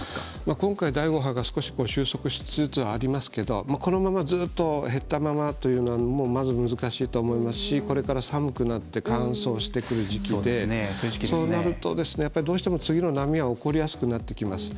今回、第５波が収束しつつありますけどこのままずっと減ったままというのはまず難しいと思いますしこれから寒くなって乾燥してくる時期でそうなると、どうしても次の波は起こりやすくなってきます。